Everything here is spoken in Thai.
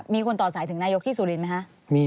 มีคนต่อสายถึงนายกฤษฎีสุลินไหมคะ